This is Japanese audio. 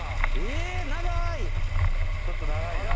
ちょっと長いな。